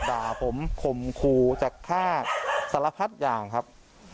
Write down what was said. บาผมขมคูจากฆาตสารพัดอย่างครับ